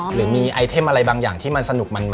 หรือมีไอเทมอะไรบางอย่างที่มันสนุก